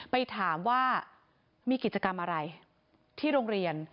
ไปถามว่ามีกิจกรรมอะไรที่โรงเรียน